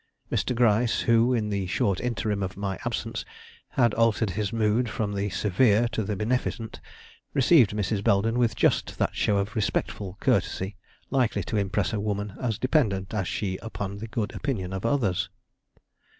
Mr. Gryce, who in the short interim of my absence had altered his mood from the severe to the beneficent, received Mrs. Belden with just that show of respectful courtesy likely to impress a woman as dependent as she upon the good opinion of others.